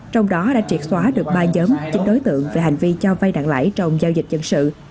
trong đó đã triệt xóa được ba nhóm chín đối tượng về hành vi cho vay đạn lãi trong giao dịch dân sự